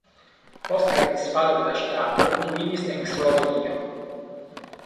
Post la disfalo de la ŝtato li vivis en Slovenio.